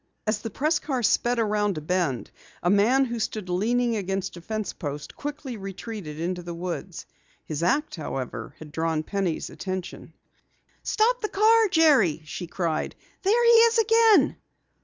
As the press car sped around a bend, a man who stood leaning against a fence post, quickly retreated into the woods. His act, however, had drawn Penny's attention. "Stop the car, Jerry!" she cried. "There he is again!"